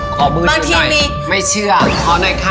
คอมูลชีวิตไมย์ไม่เชื่อขอหน่อยค่ะคุณหญิงค่ะ